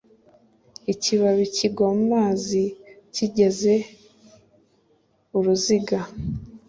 ikibabi kigwa mumazi, kigize uruziga